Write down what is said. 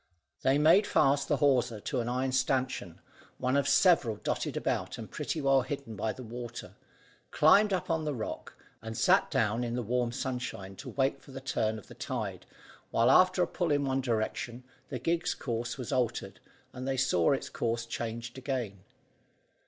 They made fast the hawser to an iron stanchion, one of several dotted about and pretty well hidden by the water, climbed up on the rock, and sat down in the warm sunshine to wait for the turn of the tide, while after a pull in one direction, the gig's course was altered, and they saw its course changed again.